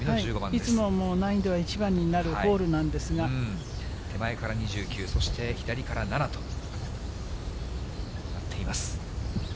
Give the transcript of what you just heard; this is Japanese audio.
いつもの難易度では一番になるホールなんですが、手前から２９、そして左から７となっています。